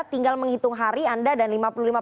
tinggal menghitung hari anda dan listrik anda